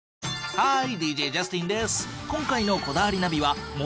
ハーイ！